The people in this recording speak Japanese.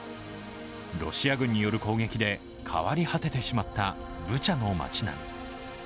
ロシア軍による攻撃で変わり果ててしまったブチャの街並み。